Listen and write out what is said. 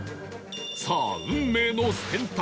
さあ運命の選択